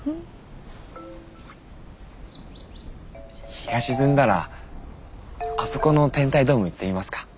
日が沈んだらあそこの天体ドーム行ってみますか。